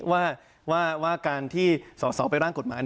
ว่าการที่สอสอไปร่างกฎหมาย